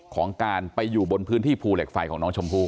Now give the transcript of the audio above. ของการไปอยู่บนพื้นที่ภูเหล็กไฟของน้องชมพู่